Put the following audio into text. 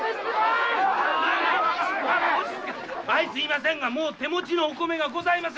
済みませんがもう手持ちのお米がございません。